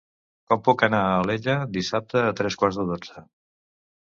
Com puc anar a Alella dissabte a tres quarts de dotze?